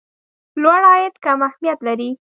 لوړ عاید کم اهميت لري.